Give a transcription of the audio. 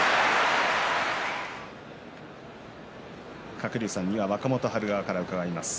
鶴竜さんには若元春側から伺います。